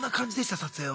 撮影は。